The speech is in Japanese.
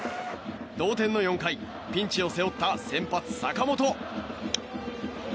同点の４回、ピンチを背負った先発、坂本。